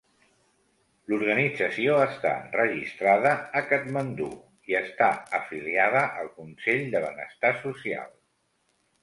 L'organització està registrada a Katmandú i està afiliada al consell de benestar social.